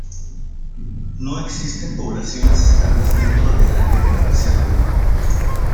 No existen poblaciones estables dentro del área de la reserva.